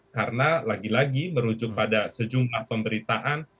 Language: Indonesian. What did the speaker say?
karena lagi lagi merujuk pada sejumlah pemberitaan